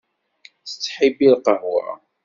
Tettḥibbi lqahwa.